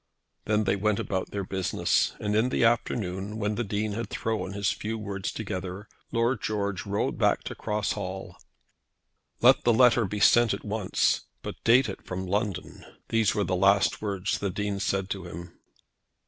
Then they went on about their business, and in the afternoon, when the Dean had thrown his few words together, Lord George rode back to Cross Hall. "Let the letter be sent at once, but date it from London." These were the last words the Dean said to him.